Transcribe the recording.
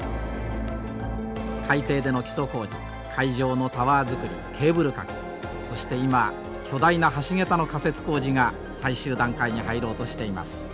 海底での基礎工事海上のタワー造りケーブル架けそして今巨大な橋桁の架設工事が最終段階に入ろうとしています。